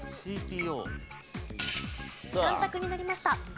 ３択になりました。